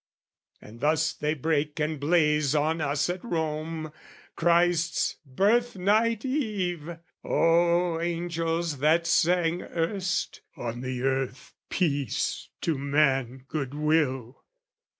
And thus they break And blaze on us at Rome, Christ's Birthnight eve! Oh angels that sang erst "On the earth, peace! "To man, good will!"